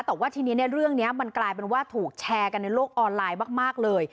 แต่ว่าทีนี้เรื่องนี้มันกลายเป็นว่าถูกแชร์กันในโลกออนไลน์มากเลย